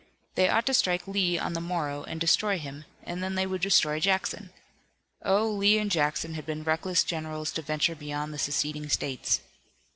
They ought to strike Lee on the morrow and destroy him, and then they would destroy Jackson. Oh, Lee and Jackson had been reckless generals to venture beyond the seceding states!